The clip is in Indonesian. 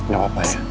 gak apa apa ya